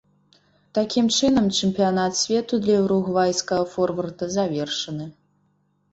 Такім чынам, чэмпіянат свету для уругвайскага форварда завершаны.